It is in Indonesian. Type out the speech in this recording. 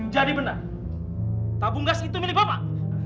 benar tabung gas itu milik bapak